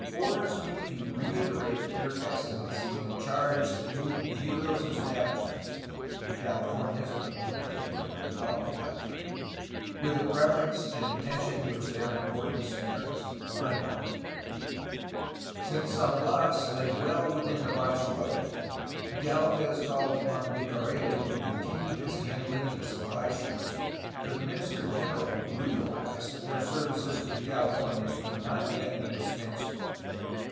orders me to reiterate to Yom Excellency the charge that you view those establishments [the Californias, but more particularly Alta California] with the preference and attention which their importance merits/' Since San Bias lay well within the viceroyalty, Gdlvez called upon Bucareli to continue his handhng of the supply ships, for the Minister General realized that their services to the Californias could not yet be dispensed with.